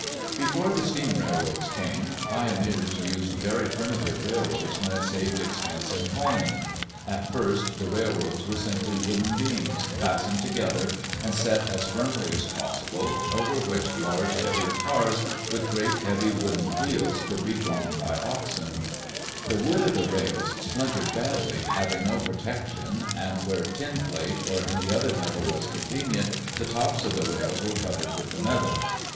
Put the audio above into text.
Before the steam railroads came, pioneers used very primitive railroads, when it saved expense in hauling. At first the railroads were simply wooden beams, fastened together, and set as firmly as possible, over which large, heavy cars, with great heavy wooden wheels, could be [x86] Digitized by VjOOQ IC THE BEGINNINGS OF CITIES 'drawn by oxen. The wood of the rails splintered badly, having no protection, and where tin plate or any other metal was convenient the tops of the rails were covered with the metal.